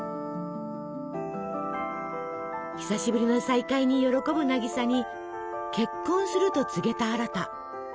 久しぶりの再会に喜ぶ渚に結婚すると告げたアラタ。